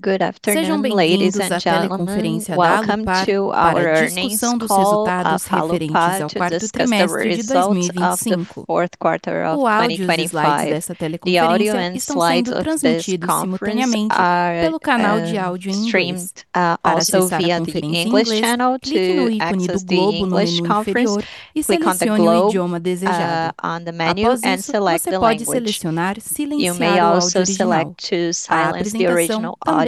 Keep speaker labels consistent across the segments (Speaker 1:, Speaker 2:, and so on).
Speaker 1: Good afternoon, ladies and gentlemen. Welcome to our earnings call of Alupar to discuss the results of the fourth quarter of 2025. The audio and slides of this conference are streamed also via the English channel. To access the English conference, click on the globe on the menu and select the language. You may also select to silence the original audio. This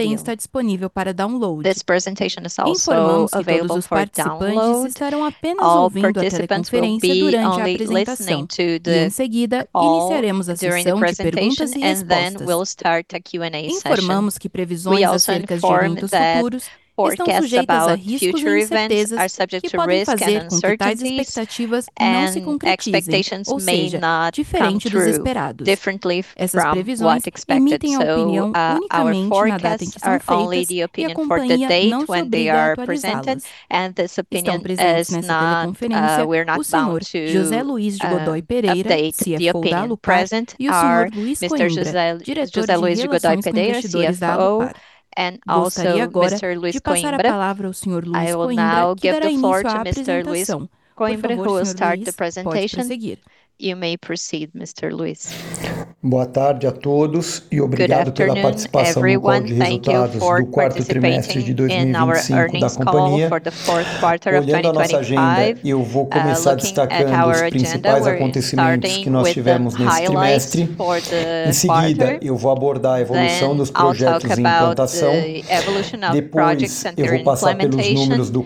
Speaker 1: presentation is also available for download. All participants will be only listening to the call during the presentation, and then we'll start a Q&A session. We also inform that forecasts about future events are subject to risk and uncertainties, and expectations may not come true differently from what expected. Our forecasts are only the opinion for the date when they are presented, and this opinion is not, we're not bound to update the opinion. Present are Mr. José Luiz Godoy Pereira Godoy Pereira, CFO, and also Mr. Luiz Coimbra. I will now give the floor to Mr. Luiz Coimbra, who will start the presentation. You may proceed, Mr. Luiz.
Speaker 2: Good afternoon, everyone. Thank you for participating in our earnings call for the fourth quarter of 2025. Looking at our agenda, we're starting with the highlights for the quarter. I'll talk about the evolution of projects under implementation. I'll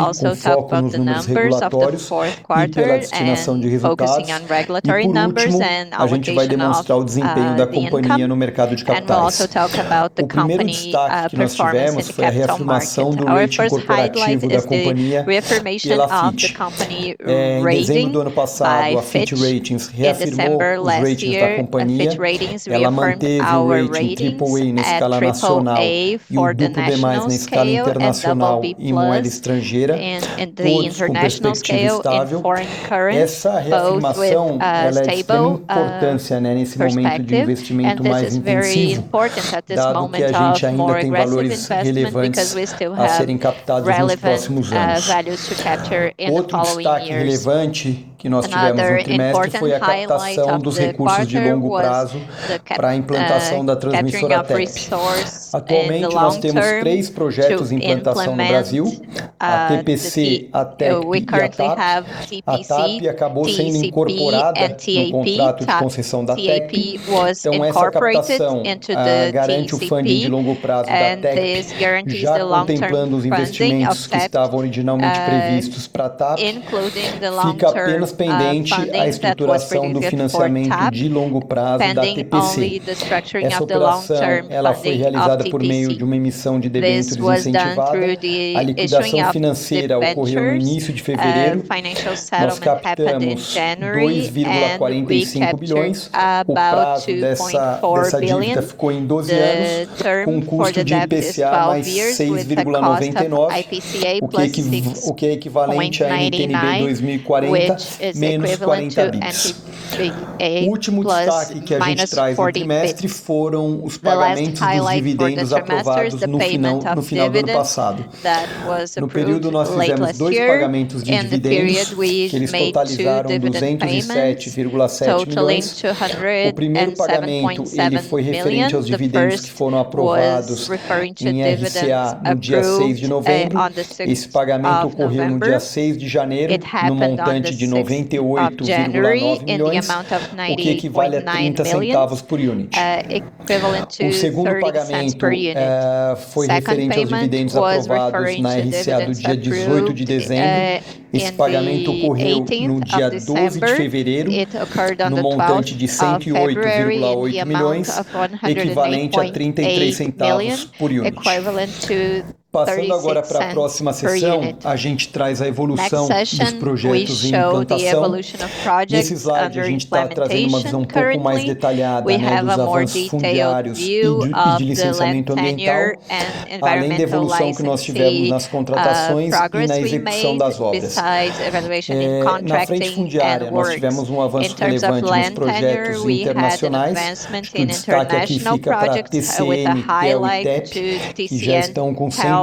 Speaker 2: also talk about the numbers of the fourth quarter and focusing on regulatory numbers and allocation of the income. We'll also talk about the company performance in the capital market. Our first highlight is the reaffirmation of the company rating by Fitch. In December last year, Fitch Ratings reaffirmed our ratings at AAA for the national scale, and BB+ in the international scale in foreign currency, both with a stable perspective. This is very important at this moment of more aggressive investment because we still have relevant values to capture in the following years. Another important highlight of the capturing of resource in the long term to implement, we currently have TPC, TECP, and TAP. TECP was incorporated into the TECP, and this guarantees the long-term funding of TEP, including the long-term funding that was predicted for TAP, pending only the structuring of the long-term funding of TPC. This was done through the issuing of debentures. Financial settlement happened in January, and we captured about 2.4 billion. The term for the debt is 12 years with a cost of IPCA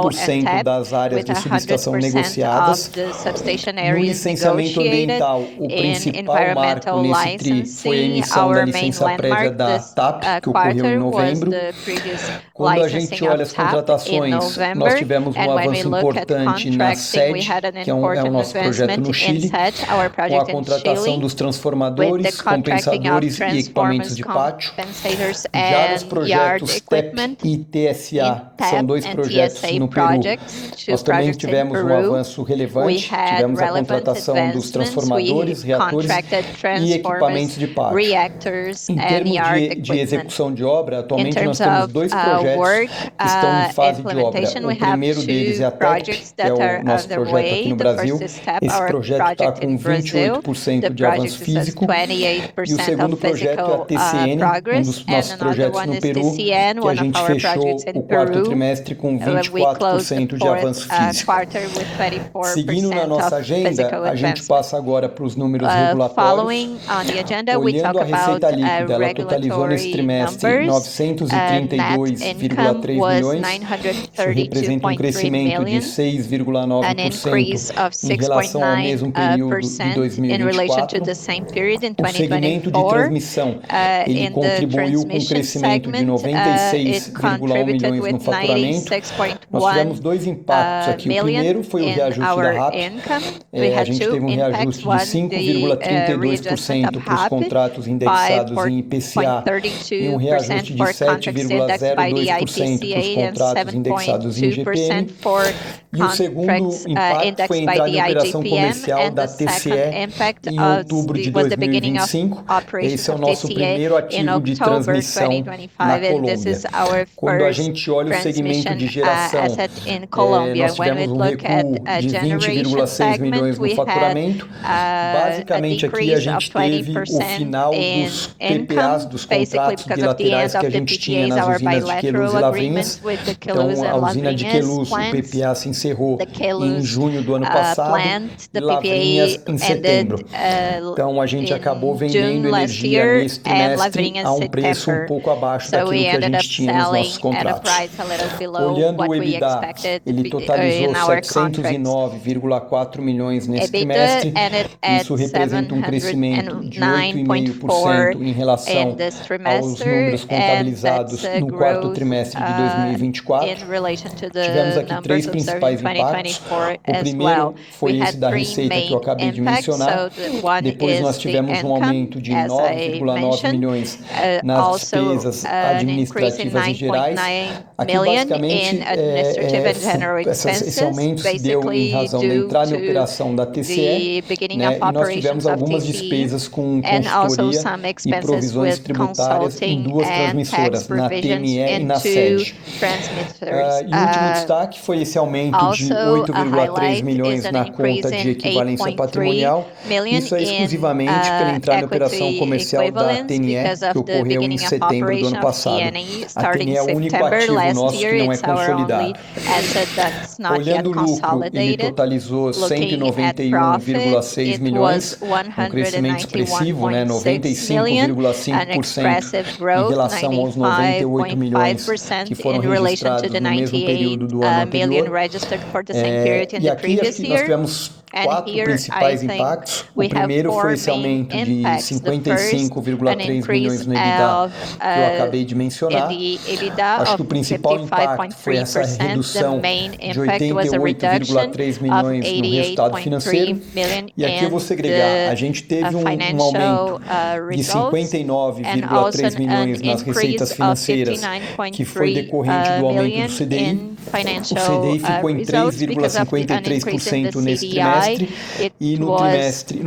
Speaker 2: + 6.99, which is we had relevant advancements. We contracted transformers, reactors, and yard equipment. In terms of work implementation, we have two projects that are on the way. The first is TAP, our project in Brazil. The project is at 28% of physical progress. Another one is TCN, one of our projects in Peru, which we finished the fourth quarter com 24% de avanço físico. Seguindo na nossa agenda, a gente passa agora pros números regulatórios. Olhando a receita líquida, ela totalizou neste trimestre BRL 932.3 million, isso representa um crescimento de 6.9% em relação ao mesmo período de 2024. O segmento de transmissão, ele contribuiu com crescimento de 96.1 million no faturamento. Nós tivemos dois impactos aqui. O primeiro foi o reajuste da RAP. A gente teve um reajuste de 5.32% pros contratos indexados em IPCA e um reajuste de 7.02% pros contratos indexados em IGPM. O segundo impacto foi a entrada em operação comercial da TCE em October 2025. Esse é o nosso primeiro ativo de transmissão na Colômbia. Quando a gente olha o segmento de geração, nós tivemos um recuo de 20.6 million no faturamento. Basicamente, aqui a gente teve o final dos PPAs, dos contratos bilaterais que a gente tinha nas usinas de Queluz e Lavrinhas. A usina de Queluz, o PPA se encerrou em junho do ano passado, Lavrinhas, em setembro. A gente acabou vendendo energia neste trimestre a um preço um pouco abaixo daquilo que a gente tinha nos nossos contratos. Olhando o EBITDA, ele totalizou 709.4 million neste trimestre. Isso representa um crescimento de 8.5% em relação aos números contabilizados no quarto trimestre de 2024. Tivemos aqui three principais impactos. O primeiro foi esse da receita que eu acabei de mencionar. Nós tivemos um aumento de 9.9 million nas despesas administrativas e gerais. Aqui, basicamente, esse aumento se deu em razão da entrada em operação da TCE, né, e nós tivemos algumas despesas com consultoria e provisões tributárias em two transmissoras, na TNE e na CTEEP. O último destaque foi esse aumento de 8.3 million na conta de equivalência patrimonial. Isso é exclusivamente pela entrada em operação comercial da TNE, que ocorreu em setembro do ano passado. A TNE é o único ativo nosso que não é consolidado. Olhando o lucro, ele totalizou BRL 191.6 million, um crescimento expressivo, né, 95.5% em relação aos BRL 98 million que foram registrados no mesmo período do ano anterior. Aqui nós tivemos quatro principais impactos. O primeiro foi esse aumento de BRL 55.3 million no EBITDA, que eu acabei de mencionar. Acho que o principal impacto foi essa redução de 88.3 million no resultado financeiro. Aqui eu vou segregar. A gente teve um aumento de 59.3 million nas receitas financeiras, que foi decorrente do aumento do CDI. O CDI ficou em 3.53% neste trimestre, e no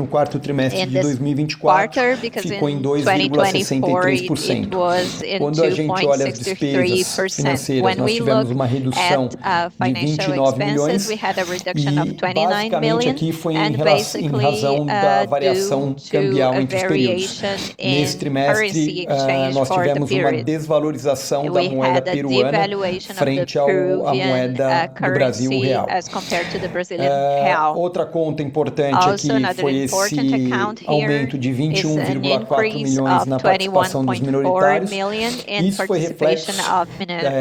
Speaker 2: fourth quarter de 2024, ficou em 2.63%. A gente olha as despesas financeiras, nós tivemos uma redução de 29 million e basicamente aqui foi em razão da variação cambial interperíodos. Neste trimestre, nós tivemos uma desvalorização da moeda peruana frente ao, à moeda do Brasil, o real. Outra conta importante aqui foi esse aumento de 21.4 million na participação dos minoritários. Isso foi reflexo da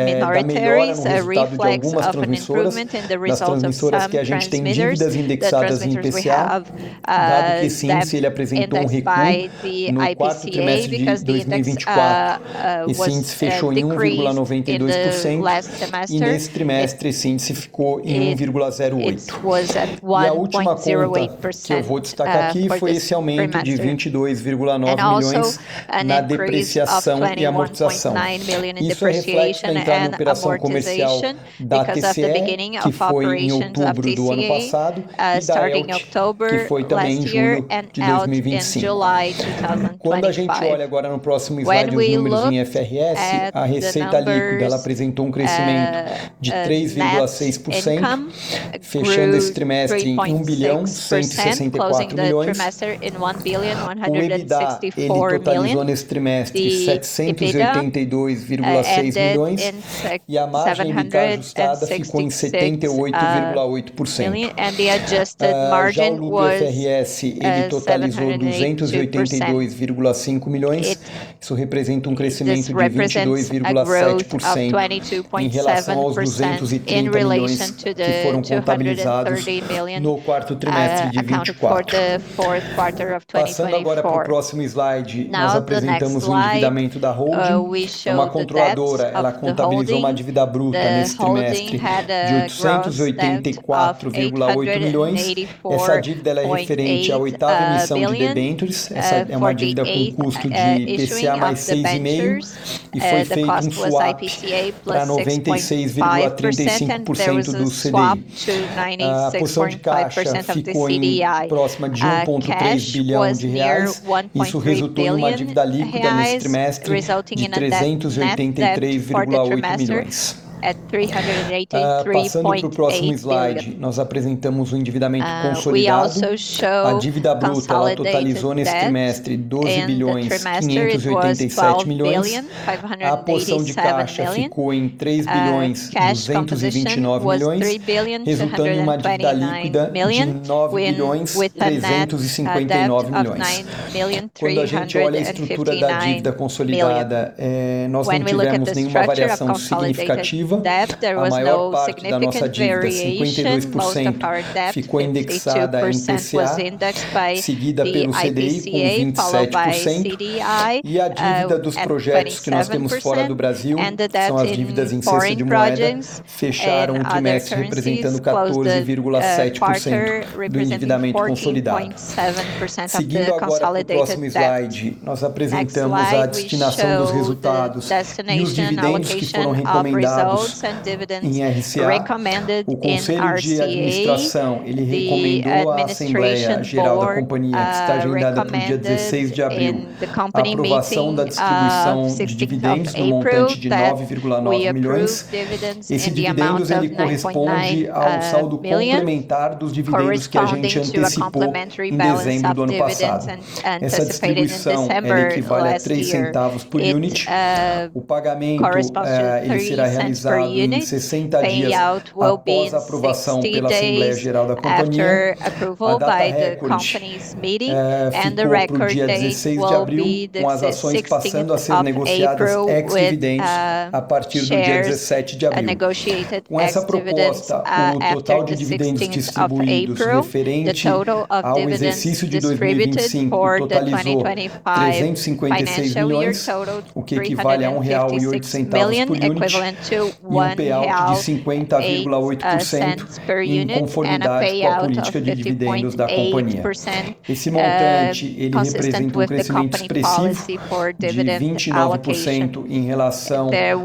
Speaker 2: melhora no resultado de algumas transmissoras, das transmissoras que a gente tem dívidas indexadas em IPCA. Esse índice, ele apresentou um recuo no quarto trimestre de 2024. Esse índice fechou em 1.92% e neste trimestre esse índice ficou em 1.08%. A última conta que eu vou destacar aqui foi esse aumento de 22.9 million na depreciação e amortização. Isso reflete a entrada em operação comercial da TCE, que foi em outubro do ano passado, e da ELTE, que foi também em julho de 2025. A gente olha agora no próximo slide os números em IFRS, a receita líquida, ela apresentou um crescimento de 3.6%, fechando esse trimestre em BRL 1.164 billion. O EBITDA, ele totalizou nesse trimestre 782.6 million, e a margem líquida ajustada ficou em 78.8%. Já o lucro IFRS, ele totalizou 282.5 million. Isso representa um crescimento de 22.7% em relação aos 230 million que foram contabilizados no quarto trimestre de 2024. Passando agora pro próximo slide, nós apresentamos o endividamento da holding. Como controladora, ela contabilizou uma dívida bruta neste trimestre de 884.8 billion. Essa dívida, ela é referente à oitava emissão de debêntures. Essa é uma dívida com custo de IPCA mais 6.5, e foi feito um swap pra 96.35% do CDI. A posição de caixa ficou em próxima de 1.3 billion reais. Isso resultou em uma dívida líquida neste trimestre de 383.8 million. Passando pro próximo slide, nós apresentamos o endividamento consolidado. A dívida bruta totalizou neste trimestre BRL 12.587 billion. A posição de caixa ficou em 3.229 billion, resultando numa dívida líquida de BRL 9.359 billion. Quando a gente olha a estrutura da dívida consolidada, nós não tivemos nenhuma variação significativa. A maior parte da nossa dívida, 52%, ficou indexada em IPCA, seguida pelo CDI com 27%, e a dívida dos projetos que nós temos fora do Brasil, são as dívidas em cesta de moeda, fecharam o trimestre representando 14.7% do endividamento consolidado. Seguindo agora pro próximo slide, nós apresentamos a destinação dos resultados e os dividendos que foram recomendados em RCA. O Conselho de Administração, ele recomendou à Assembleia Geral da Companhia, que está agendada pro dia 16 de abril, a aprovação da distribuição de dividendos no montante de BRL 9.9 milhões. Esses dividendos, ele corresponde ao saldo complementar dos dividendos que a gente antecipou em dezembro do ano passado. Essa distribuição, ela equivale a 0.03 por unit. O pagamento, ele será realizado em 60 dias após a aprovação pela Assembleia Geral da Companhia. A data record ficou pro dia 16 de abril, com as ações passando a ser negociadas ex-dividends a partir do dia 17 de abril. Com essa proposta, o total de dividendos distribuídos referente ao exercício de 2025 totalizou BRL 356 million, o que equivale a 1.08 real por unit, e um payout de 50.8%, em conformidade com a política de dividendos da companhia. Esse montante, ele representa um crescimento expressivo de 29% em relação aos BRL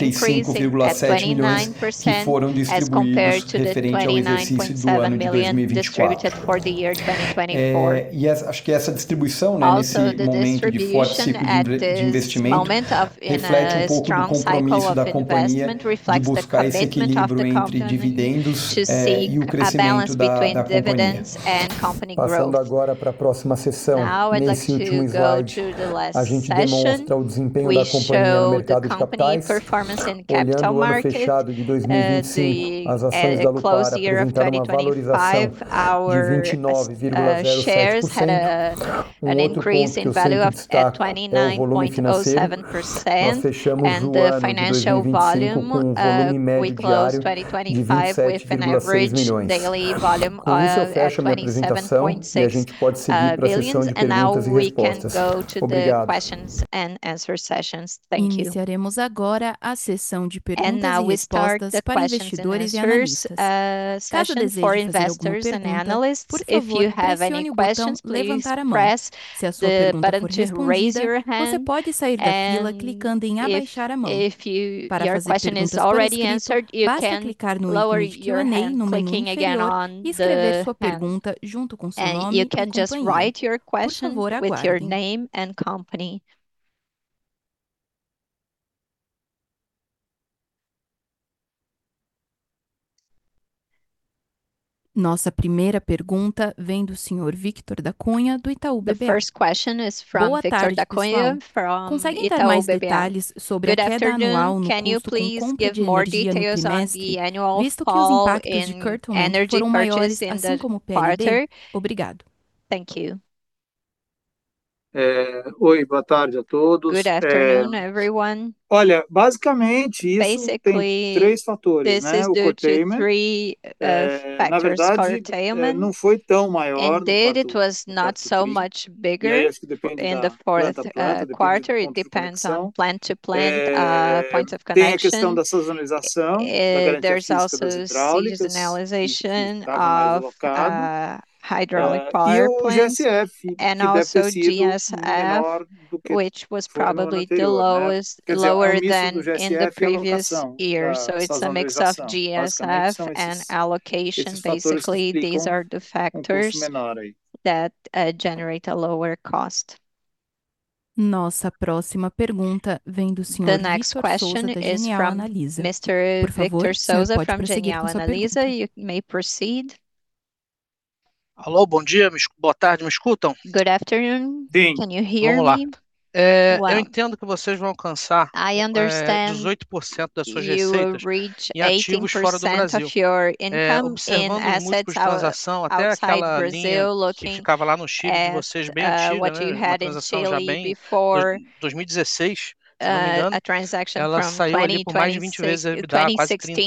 Speaker 2: 275.7 million que foram distribuídos referente ao exercício do ano de 2024. Acho que essa distribuição, né, nesse momento de forte ciclo de investimento, reflete um pouco do compromisso da companhia de buscar esse equilíbrio entre dividendos e o crescimento da companhia. Passando agora para a próxima sessão, nesse último slide, a gente demonstra o desempenho da companhia no mercado de capitais. Olhando o ano fechado de 2025, as ações da Alupar apresentaram uma valorização de 29.07%. Um outro ponto que eu sempre destaco é o volume financeiro. Nós fechamos o ano de 2025 com volume médio diário de BRL 27.6 billion. Com isso eu fecho a minha apresentação e a gente pode seguir para a sessão de perguntas e respostas. Obrigado. Iniciaremos agora a sessão de perguntas e respostas para investidores e analistas. Caso deseje fazer alguma pergunta, por favor, pressione o botão "levantar a mão". Se a sua pergunta for já respondida, você pode sair da fila clicando em "abaixar a mão". Para fazer perguntas pelo script, basta clicar no link do Q&A no menu inferior e escrever sua pergunta junto com seu nome e companhia. Por favor, aguardem. Nossa primeira pergunta vem do senhor Victor da Cunha, do Itaú BBA. Boa tarde, pessoal. Consegue dar mais detalhes sobre a queda anual no custo com compra de energia no trimestre, visto que os impactos de curtailment foram maiores, assim como PND? Obrigado. Oi, boa tarde a todos. Olha, basicamente, isso tem 3 fatores, né, o curtailment. Na verdade, não foi tão maior no 4th quarter. E é, isso depende da planta a planta, depende do ponto de conexão. Tem a questão da sazonalização, da garantia física das hidráulicas, que estava mais alocado. E o GSF, que deve ter sido menor do que foi no ano anterior, né? Quer dizer, o início do GSF e a alocação, a sazonalização. Então, esses fatores explicam um custo menor aí.
Speaker 3: Nossa próxima pergunta vem do senhor Vitor Sousa, da Genial Análise. Por favor, o senhor pode prosseguir com sua pergunta.
Speaker 2: Alô, boa tarde, me escutam? Bem, vamo lá. Eu entendo que vocês vão alcançar 18% das suas receitas em ativos fora do Brasil. Observando os números de transação, até aquela linha que ficava lá no Chile, de vocês bem antiga, né, uma transação já 2016, se não me engano, ela saiu ali por mais de 20x EBITDA, quase 30.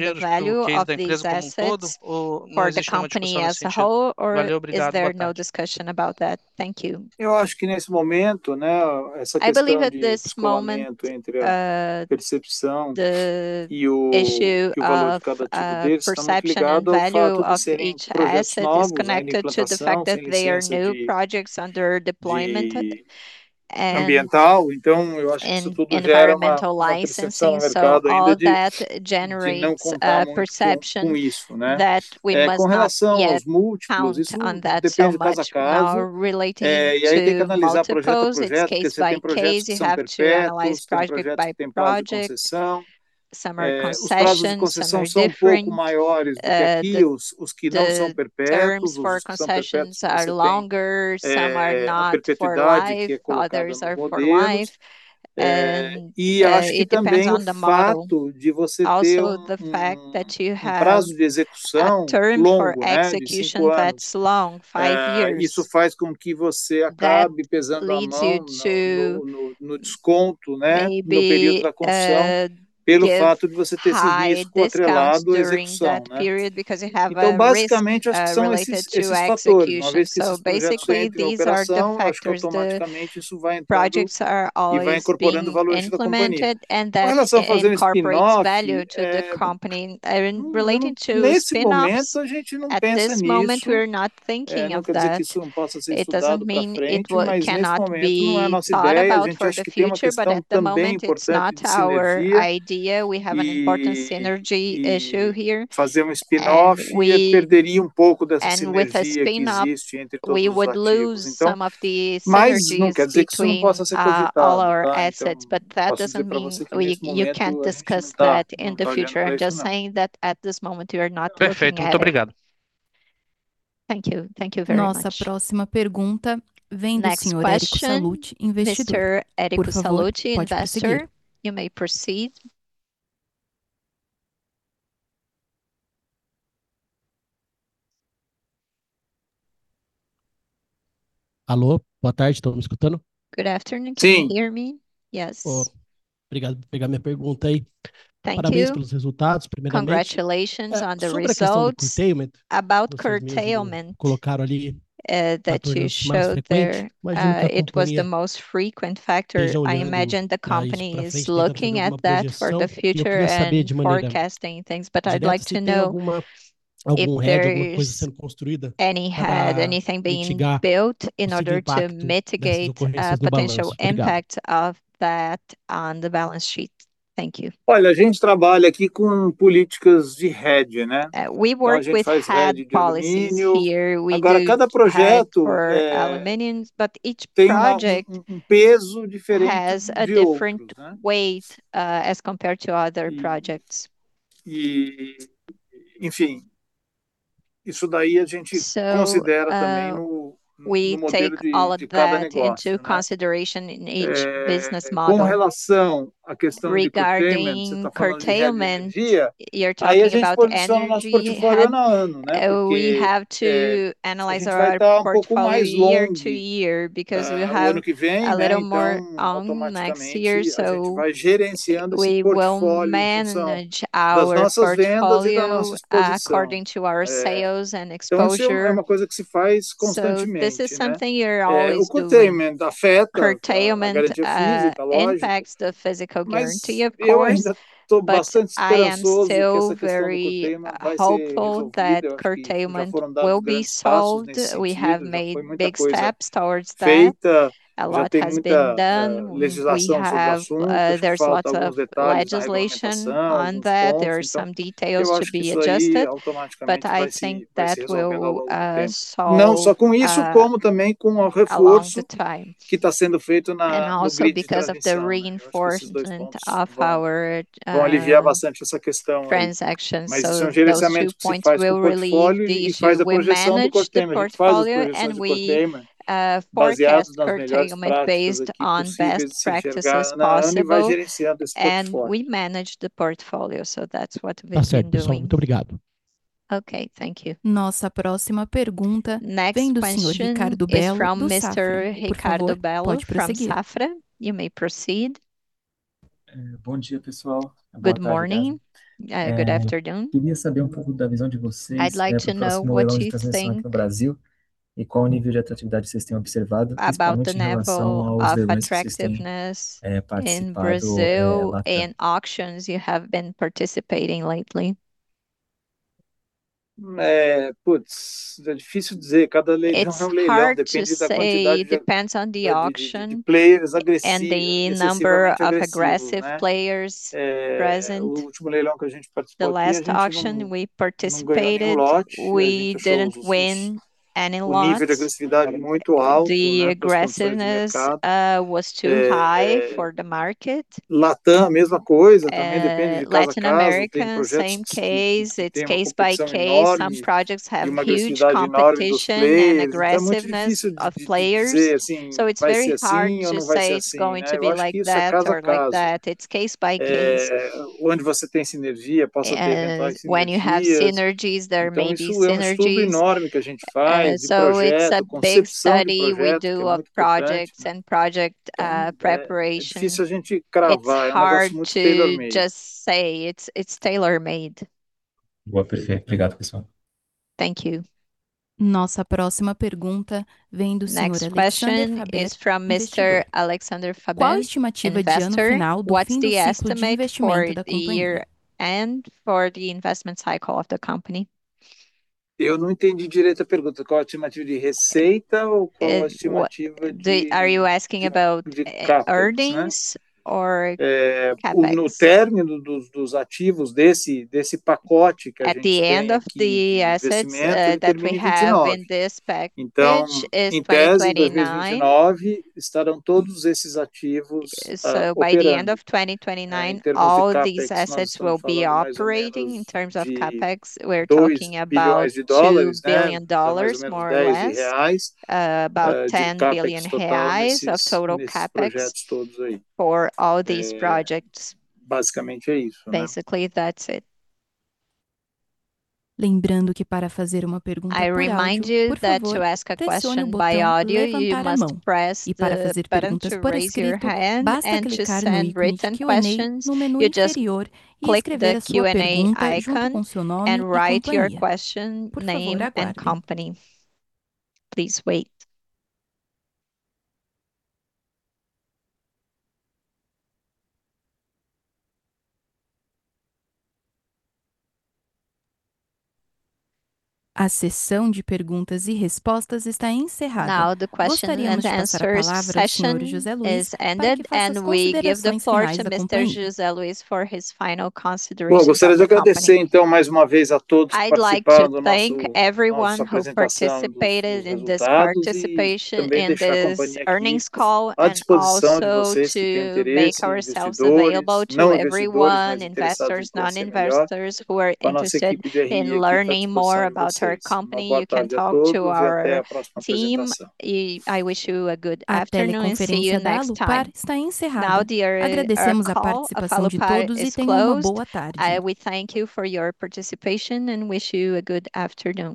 Speaker 2: Eu penso que no relativo a esses ativos fora do Brasil serem mais valiosos do que aqueles que estão dentro do Brasil. Vocês têm alguma estratégia pra tentar colocar uma luz no valor desses ativos?
Speaker 4: Eu pensei, por exemplo, no caso de um spin-off seguido dum IPO somente desses ativos fora do Brasil, existe algo nesse sentido pra trazer uma melhor percepção de valor desses ativos estrangeiros pro caso da empresa como um todo ou não existe nenhuma discussão nesse sentido? Valeu, obrigado, boa tarde.
Speaker 2: Eu acho que nesse momento, né, essa questão de descolamento entre a percepção e o valor de cada ativo deles tá muito ligado ao fato de serem projetos novos, né, em implantação, sem licença de. Ambiental, eu acho que isso tudo gera uma percepção no mercado ainda de não contar muito com isso. Com relação aos múltiplos, isso depende de cada caso. E aí tem que analisar projeto a projeto, porque cê tem projetos que são perpétuos, tem projetos que têm prazo de concessão. Os prazos de concessão são um pouco maiores do que aqui os que não são perpétuos, os que são perpétuos, você tem a perpetuidade que é colocada nos modelos. E acho que também o fato de você ter um prazo de execução longo, de cinco anos, isso faz com que você acabe pesando a mão no desconto, no período da concessão, pelo fato de você ter esse risco correlado à execução. Basicamente, acho que são esses fatores. Uma vez que esse projeto entra em operação, acho que automaticamente isso vai entrando e vai incorporando valor dentro da companhia. Com relação a fazer spin-off, nesse momento a gente não pensa nisso. Não quer dizer que isso não possa ser estudado pra frente, mas nesse momento não é nossa ideia. A gente acha que tem uma questão também importante de sinergia e fazer um spin-off perderia um pouco dessa sinergia que existe entre todos os ativos, então. Mas não quer dizer que isso não possa ser considerado lá pra frente. Eu posso dizer pra você que nesse momento a gente não tá trabalhando com isso, não. Perfeito, muito obrigado. Nossa próxima pergunta vem do Senhor Érico Salcides, investidor. Por favor, pode prosseguir. Alô, boa tarde, tão me escutando?
Speaker 3: Sim.
Speaker 2: Obrigado por pegar minha pergunta aí. Parabéns pelos resultados, primeiramente. Sobre a questão do curtailment, vocês mesmos colocaram ali como fator mais frequente. Junto à companhia, que já olhando aí pra frente, pra dar uma projeção, eu queria saber de maneira geral, tem algum hedge, alguma coisa sendo construída pra mitigar esse impacto nas ocorrências do balanço. Obrigado. A gente trabalha aqui com políticas de hedge, né. A gente faz hedge de alumínio. Cada projeto tem um peso diferente de outros, né. Enfim, isso daí a gente considera também no modelo de cada negócio, né. Com relação à questão de curtailment, cê tá falando de hedge de energia, a gente posiciona o nosso portfólio ano a ano, né, porque a gente vai tá um pouco mais longe no ano que vem, né, automaticamente a gente vai gerenciando esse portfólio em função das nossas vendas e da nossa exposição. Isso é uma coisa que se faz constantemente, né. O curtailment afeta a garantia física, lógico, mas eu ainda tô bastante esperançoso de que essa questão do curtailment vai se resolver com o tempo. Não só com isso, como também com o reforço que tá sendo feito no grid de transmissão. Acho que esses dois pontos vão aliviar bastante essa questão aí. Mas isso é um gerenciamento que se faz no portfólio e faz a projeção do curtailment. A gente faz a projeção do curtailment baseado nas melhores práticas o daqui possível, se enxerga no ano e vai gerenciando esse portfólio. Tá certo, pessoal, muito obrigado. Nossa próxima pergunta vem do senhor Ricardo Bello, do Safra. Por favor, pode prosseguir. Bom dia, pessoal. Boa tarde, na verdade. Queria saber um pouco da visão de vocês, né, pro próximo leilão de transmissão aqui no Brasil e qual o nível de atratividade cês têm observado, principalmente em relação aos leilões que cês têm, participado lá atrás? Puts, é difícil dizer, cada leilão é um leilão, depende da quantidade de players agressivos, excessivamente agressivos, né. O último leilão que a gente participou aqui, a gente não ganhou nenhum lote, né, pessoal, vocês o nível de agressividade muito alto, né, das concessionárias no mercado. Latam a mesma coisa, também depende de cada caso, tem projetos que têm uma competição enorme, tem uma agressividade enorme dos players. É muito difícil dizer assim: vai ser assim ou não vai ser assim, né? Eu acho que isso é caso a caso. Onde você tem sinergia, possa ter impacto em sinergias. Isso é um estudo enorme que a gente faz de projeto, concepção de projeto, é muito complexo. É difícil a gente cravar, é um negócio muito tailor-made. Boa, perfeito. Obrigado, pessoal. Nossa próxima pergunta vem do senhor Alexandre Pavan, investidor. What's the estimate for the year end for the investment cycle of the company? Eu não entendi direito a pergunta, qual a estimativa de receita ou qual a estimativa? Are you asking about- De Capex, né earnings or Capex? No término dos ativos desse pacote que a gente tem aqui de investimento é o término de 2019. Em tese, em 2029, estarão todos esses ativos operando. Em termos de Capex, nós estamos falando mais ou menos de $2 billion, né, mais ou menos R$ 10 de Capex total nesses projetos todos aí. Basicamente é isso, né. I remind you that to ask a question by audio, you must press the button to raise your hand. To send written questions, you just click the Q&A icon and write your question, name and company. Please wait. A sessão de perguntas e respostas está encerrada. Gostaríamos de passar a palavra ao Senhor José Luiz Godoy Pereira para que faça as considerações finais da companhia. Gostaria de agradecer mais uma vez a todos que participaram do nosso, nossa apresentação dos resultados e também deixar a companhia aqui à disposição de vocês que têm interesse, investidores, não investidores, mas interessados em conhecer melhor, com a nossa equipe de RI aqui à disposição de vocês. Uma boa tarde a todos e até a próxima apresentação. After the conferência da Alupar está encerrada. Agradecemos a participação de todos e tenham uma boa tarde. We thank you for your participation and wish you a good afternoon.